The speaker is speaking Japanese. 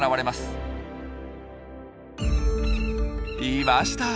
いました！